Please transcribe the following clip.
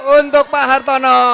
untuk pak hartono